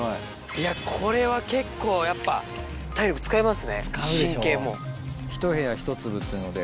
いやこれは結構やっぱ体力使いますね神経も。